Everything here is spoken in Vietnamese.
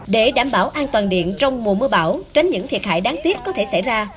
để đảm bảo an toàn điện trong mùa mưa bão tránh những thiệt hại đáng tiếc có thể xảy ra